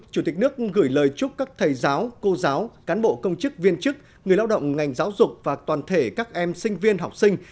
chủ tịch nước gửi lời chúc các thầy giáo cô giáo cán bộ công chức viên chức người lao động ngành giáo dục và toàn thể các em sinh viên học sinh